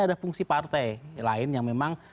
ada fungsi partai lain yang memang